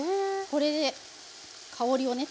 これで香りをね